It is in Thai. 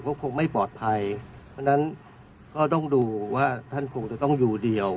ก็คงไม่ปลอดภัยเพราะฉะนั้นก็ต้องดูว่าท่านคงจะต้องอยู่เดียว